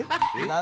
何？